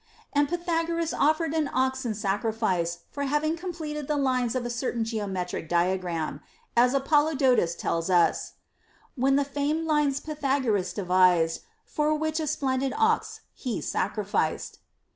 And Pythagoras offered an ox in sacrifice for having com pleted the lines of a certain geometric diagram ; as Apol lodotus tells us, When the famed lines Pythagoras devised, For which a splendid ox he sacrificed.